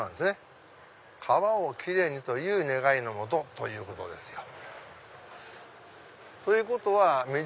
へぇ川をキレイにという願いのもとということですよ。